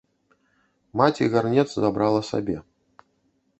Маці гарнец забрала сабе.